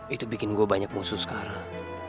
itu bikin gue banyak musuh sekarang